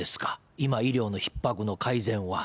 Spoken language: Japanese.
今、医療のひっ迫の改善は。